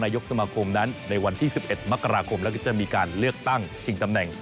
ยกสมาคมนั้นในวันที่๑๑มกราคมแล้วก็จะมีการเลือกตั้งชิงตำแหน่ง